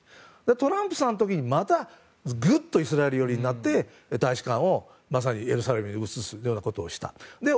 トランプさんの時にまたぐっとイスラエル寄りになって大使館をエルサレムに戻したようなことをやった。